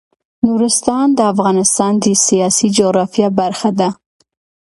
نورستان د افغانستان د سیاسي جغرافیه برخه ده.